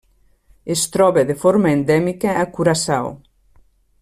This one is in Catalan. Es troba de forma endèmica a Curaçao.